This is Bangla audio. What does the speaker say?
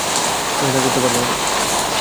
আমি একা করতে পারবো না।